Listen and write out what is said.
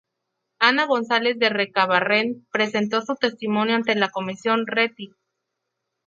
Ana González de Recabarren presentó su testimonio ante la Comisión Rettig.